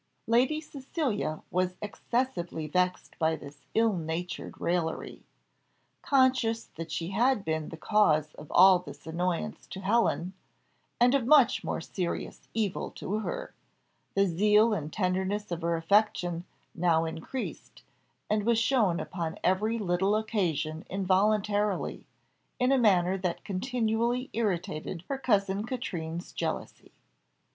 Lady Cecilia was excessively vexed by this ill natured raillery: conscious that she had been the cause of all this annoyance to Helen, and of much more serious evil to her, the zeal and tenderness of her affection now increased, and was shown upon every little occasion involuntarily, in a manner that continually irritated her cousin Katrine's jealousy.